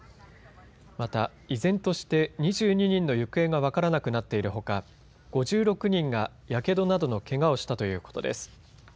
また依然として２２人の行方が分からなくなっているほか５６人が、やけどなどのけがをしたということです。